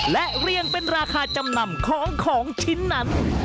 และเรียงเป็นราคาจำนำของของชิ้นนั้น